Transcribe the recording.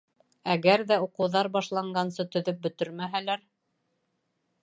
Әгәр ҙә уҡыуҙар башланғансы төҙөп бөтөрмәһәләр?